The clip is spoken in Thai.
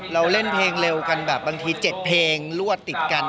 เราเล่นเพลงเร็วกันแบบบางที๗เพลงรวดติดกัน